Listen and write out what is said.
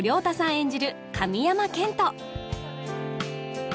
演じる神山絢斗